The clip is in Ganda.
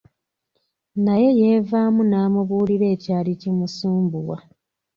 Naye yeevaamu n'amubuulira ekyali kimusumbuwa.